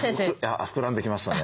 あっ膨らんできましたね。